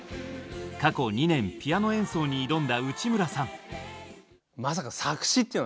過去２年ピアノ演奏に挑んだ内村さん。